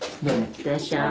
いってらっしゃい。